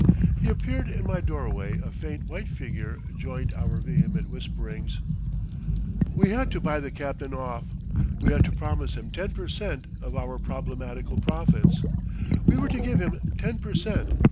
He appeared in my doorway a faint white figure joined our vehement whisperings. We had to buy the captain off; we had to promise him ten per cent. of our problematical profits. We were to give him ten per cent.